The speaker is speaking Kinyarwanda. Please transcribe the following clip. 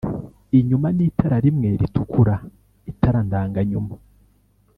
inyuma n itara rimwe ritukura itara ndanganyuma